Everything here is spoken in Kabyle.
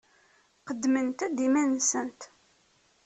Qeddment-d iman-nsent.